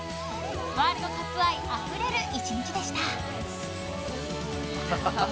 ワールドカップ愛あふれる１日でした。